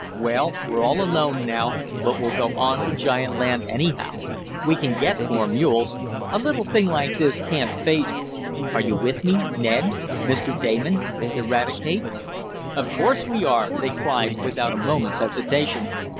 Well, we're all alone, but we'll go on to giant land anyhow! We can get more mules. A little thing like this can't phase me. Are you with me, Ned Mr. Damon Eradicate?" "Of course we are!" they cried without a moment's hesitation.